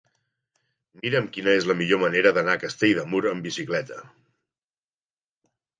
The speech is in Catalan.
Mira'm quina és la millor manera d'anar a Castell de Mur amb bicicleta.